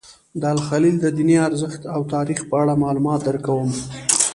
د الخلیل د دیني ارزښت او تاریخ په اړه معلومات درکوم.